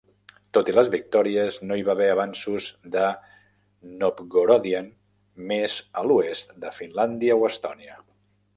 Tot i les victòries, no hi va haver avanços de Novgorodian més a l'oest de Finlàndia o Estònia.